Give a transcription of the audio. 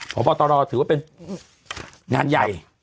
พบตรถือว่าเป็นงานใหญ่